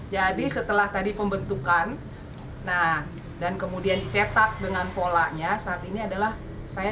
jadi setelah tadi pembentukan nah dan kemudian dicetak dengan polanya saat ini adalah saya